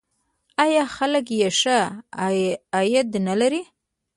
آیا خلک یې ښه عاید نلري؟